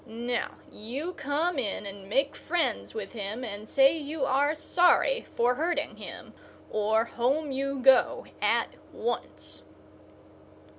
Now, you come in and make friends with him and say you are sorry for hurting him, or home you go, at once."